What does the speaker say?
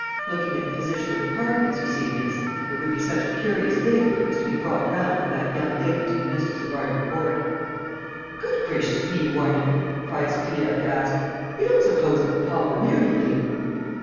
Looking at the position of the parties, you see, miss, it would be such a curious thing if it was to be brought round for that young lady to be mistress of Arden Court." "Good gracious me, Warman!" cried Sophia aghast, "you don't suppose that papa would marry again?"